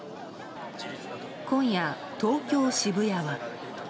今夜、東京・渋谷は。